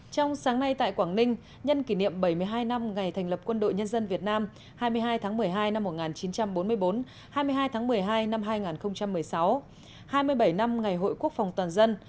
trong sáng nay tại quảng ninh nhân kỷ niệm bảy mươi hai năm ngày thành lập quân đội nhân dân việt nam hai mươi hai tháng một mươi hai năm một nghìn chín trăm bốn mươi bốn hai mươi hai tháng một mươi hai năm hai nghìn một mươi sáu hai mươi bảy năm ngày hội quốc phòng toàn dân